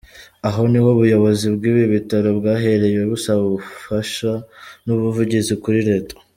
Aho niho ubuyobozi bw’ibi bitaro bwahereye busaba ubufasha n’ubuvugizi kuri Leta.